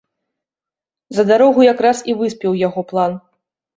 За дарогу якраз і выспеў яго план.